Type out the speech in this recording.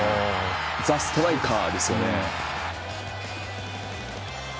ザ・ストライカーですよね。